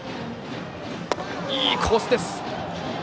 いいコースです！